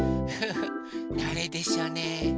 フフだれでしょうね？